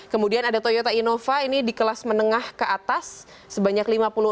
kemudian ada toyota innova ini di kelas menengah ke atas sebanyak lima puluh enam tiga ratus sembilan puluh tujuh